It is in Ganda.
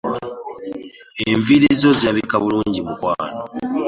Enviiri zo zirabika bulungi mukwano.